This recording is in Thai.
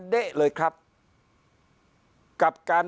พักพลังงาน